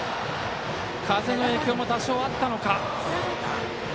風の影響も多少あったのか。